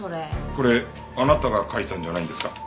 これあなたが書いたんじゃないんですか？